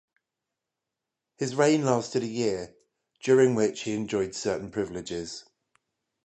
His reign lasted a year, during which he enjoyed certain privileges.